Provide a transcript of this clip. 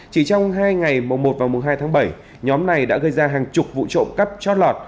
chỉ trong hai ngày một hai tháng bảy nhóm này đã gây ra hàng chục vụ trộm cắt trót lọt